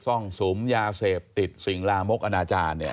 ซ่องสุมยาเสพติดสิ่งลามกอนาจารย์เนี่ย